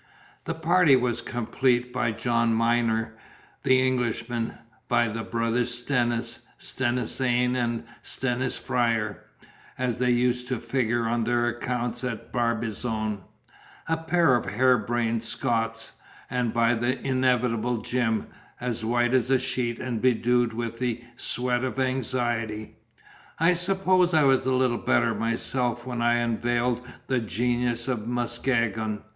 The party was completed by John Myner, the Englishman; by the brothers Stennis, Stennis aine and Stennis frere, as they used to figure on their accounts at Barbizon a pair of hare brained Scots; and by the inevitable Jim, as white as a sheet and bedewed with the sweat of anxiety. I suppose I was little better myself when I unveiled the Genius of Muskegon.